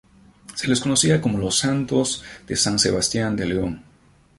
Se les conocía como los Santos de San Sebastián de León.